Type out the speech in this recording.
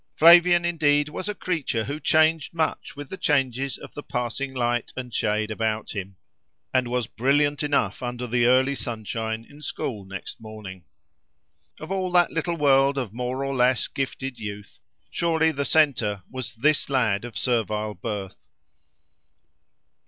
Flavian indeed was a creature who changed much with the changes of the passing light and shade about him, and was brilliant enough under the early sunshine in school next morning. Of all that little world of more or less gifted youth, surely the centre was this lad of servile birth.